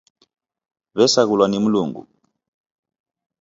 W'esaghulwa ni Mlungu.